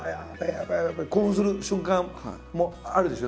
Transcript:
やっぱり興奮する瞬間もあるでしょ？